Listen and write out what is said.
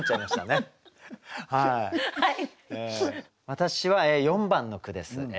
私は４番の句ですね。